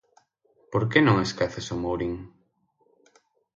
–¿Por que non esqueces o Mourín?